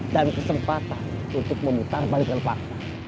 dan kesempatan untuk memutar balikkan fakta